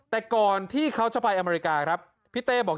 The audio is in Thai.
แต่ก่อนที่เขาจะไปอเมริกาครับพี่เต้บอก